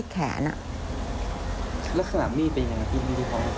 แล้วขนาดมีดเป็นอย่างไรที่มีดพับ